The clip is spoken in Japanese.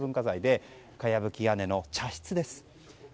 かやぶき屋根の茶室です。